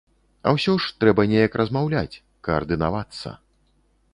А ўсё ж трэба неяк размаўляць, каардынавацца.